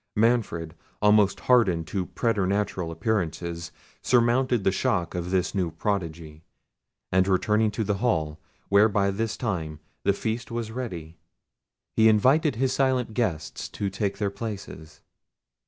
Manfred, almost hardened to preternatural appearances, surmounted the shock of this new prodigy; and returning to the hall, where by this time the feast was ready, he invited his silent guests to take their places.